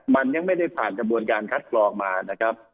มันยังไม่ได้ผ่านกระบวนการคัดกรองมานะครับ